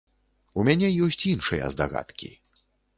У мяне ёсць іншыя здагадкі.